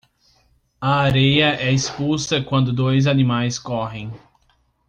A areia é expulsa quando dois animais correm